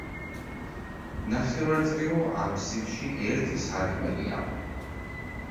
ნახევარწრიულ აფსიდში ერთი სარკმელია.